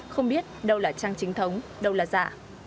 không biết đâu là trang chính thống đâu là dạ